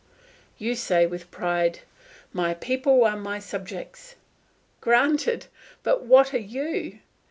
You say with pride, "My people are my subjects." Granted, but what are you?